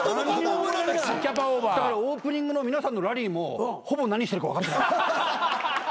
だからオープニングの皆さんのラリーもほぼ何してるか分かってない。